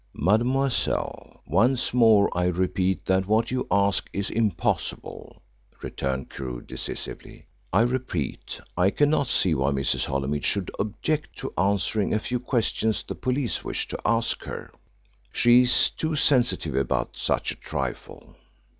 "Mademoiselle, once more I repeat that what you ask is impossible," returned Crewe decisively. "I repeat, I cannot see why Mrs. Holymead should object to answering a few questions the police wish to ask her. She is too sensitive about such a trifle."